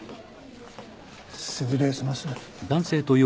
失礼します。